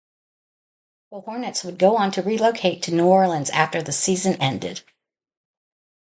The Hornets would go on to relocate to New Orleans after the season ended.